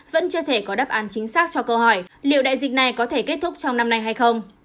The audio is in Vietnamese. vẫn chưa thể có đáp án chính xác cho câu hỏi liệu đại dịch này có thể kết thúc trong năm nay hay không